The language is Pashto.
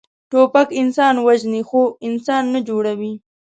توپک انسان وژني، خو انسان نه جوړوي.